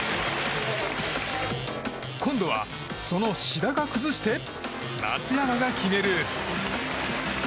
今度はその志田が崩して松山が決める！